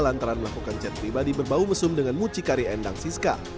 lantaran melakukan chat pribadi berbau mesum dengan mucikari endang siska